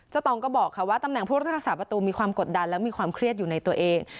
ตองก็บอกค่ะว่าตำแหน่งผู้รักษาประตูมีความกดดันและมีความเครียดอยู่ในตัวเอง